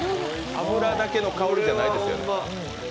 油だけの香りじゃないですよね。